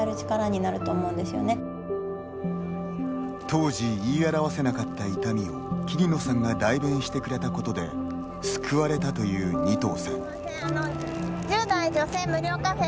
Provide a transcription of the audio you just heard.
当時、言い表せなかった痛みを桐野さんが代弁してくれたことで救われたという仁藤さん。